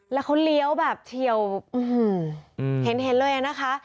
แล้วเขาเลี้ยวแบบเฉียวเห็นเลยนะคะ